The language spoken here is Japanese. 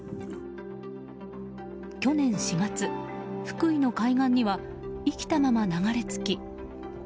去年４月、福井の海岸には生きたまま流れ着き。